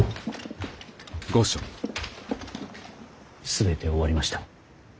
全て終わりました。